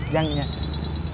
yang ini aja